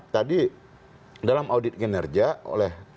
tadi dalam audit kinerja oleh